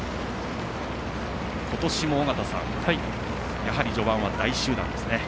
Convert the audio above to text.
今年も尾方さんやはり序盤は大集団ですね。